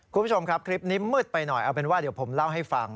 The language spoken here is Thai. คุณผู้ชมครับคลิปนี้มืดไปหน่อยเอาเป็นว่าเดี๋ยวผมเล่าให้ฟัง